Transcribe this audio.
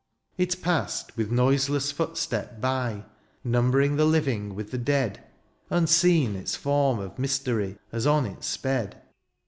It passed with noiseless footstep by, Nimibering the living with the dead ; Unseen its form of mystery. As on it sped